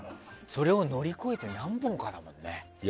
それを乗り越えて何本かだもんね。